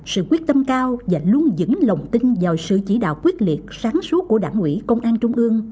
sự quyết tâm cao và luôn dẫn lòng tin vào sự chỉ đạo quyết liệt sáng suốt của đảng ủy công an trung ương